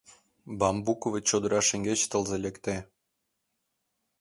Бамбуковый чодыра шеҥгеч тылзе лекте.